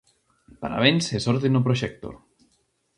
Parabéns e sorte no proxecto.